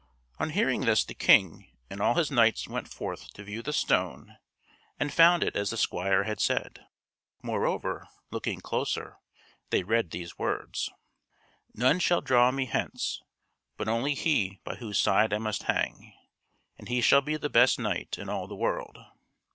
On hearing this, the King and all his knights went forth to view the stone and found it as the squire had said; moreover, looking closer, they read these words: "None shall draw me hence, but only he by whose side I must hang; and he shall be the best knight in all the world."